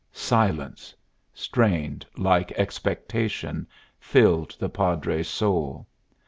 Silence, strained like expectation, filled the Padre's soul.